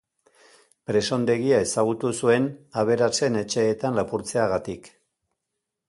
Presondegia ezagutu zuen, aberatsen etxeetan lapurtzeagatik.